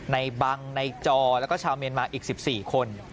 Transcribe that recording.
บังในจอแล้วก็ชาวเมียนมาอีก๑๔คน